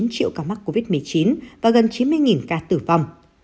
hai chín triệu ca mắc covid một mươi chín và gần chín mươi ca tử vong